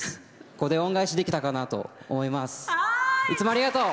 ここで恩返しできたかなと思います。